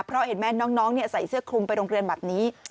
เพราะเห็นไหมน้องใส่เสื้อคลุมไปโรงเรียนแบบนี้